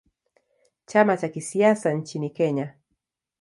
Chama cha kisiasa nchini Kenya.